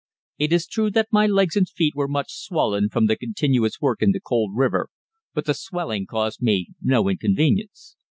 It is true that my legs and feet were much swollen from the continuous work in the cold river, but the swelling caused me no inconvenience.